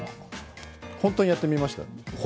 本当にやってみました。